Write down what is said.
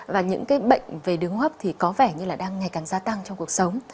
và những cái bệnh về đường hấp thì có vẻ như là đang ngày càng gia tăng trong cuộc sống